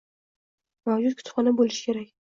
mavjud kutubxona bo‘lishi kerak.